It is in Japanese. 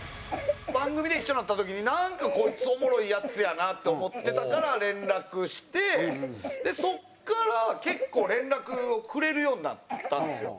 番組で一緒になった時になんかこいつおもろいヤツやなと思ってたから連絡してそこから結構連絡をくれるようになったんですよ。